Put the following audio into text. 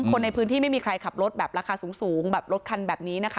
คนในพื้นที่ไม่มีใครขับรถแบบราคาสูงแบบรถคันแบบนี้นะคะ